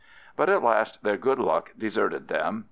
But at last their good luck deserted them.